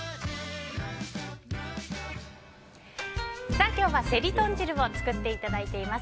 さあ、今日はセリ豚汁を作っていただいています。